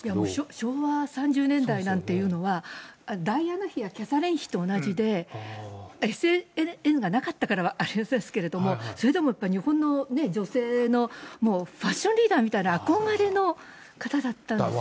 昭和３０年代なんていうのは、ダイアナ妃やキャサリン妃と同じで、ＳＮＳがなかったからあれですけれども、それでもやっぱり日本のね、女性のもうファッションリーダーみたいな憧れの方だったんですよね。